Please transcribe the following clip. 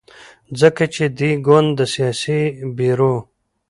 ځکه چې دې ګوند د سیاسي بیرو